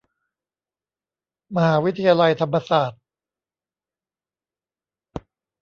มหาวิทยาลัยธรรมศาสตร์